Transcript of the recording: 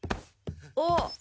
あっ！